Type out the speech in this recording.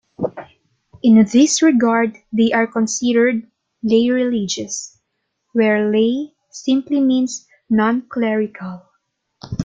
In this regard they are considered "lay religious," where "lay" simply means "non-clerical".